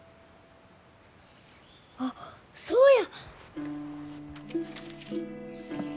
あっそうや！